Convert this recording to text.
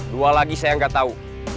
dua lagi saya nggak tahu